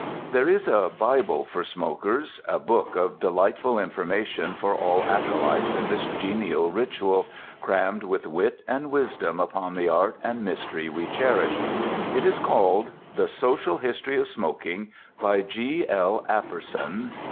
There is a Bible for smokers, a book of delightful information for all acolytes of this genial ritual, crammed with wit and wisdom upon the art and mystery we cherish. It is called "The Social History of Smoking," by G.L. Apperson.